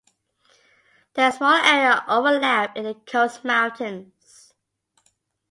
There is a small area of overlap in the Coast Mountains.